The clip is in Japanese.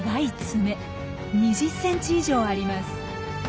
２０ｃｍ以上あります。